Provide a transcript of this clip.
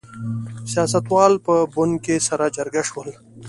سیاستوال په بن کې سره جرګه شول.